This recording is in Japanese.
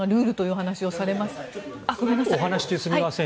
お話中すいません。